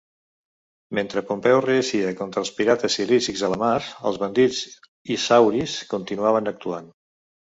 Mentre Pompeu reeixia contra els pirates cilicis a la mar, els bandits isauris continuaven actuant.